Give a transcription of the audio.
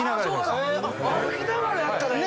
歩きながらやったらいい。